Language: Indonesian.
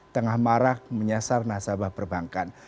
tengah marak menyasar nasabah perbankan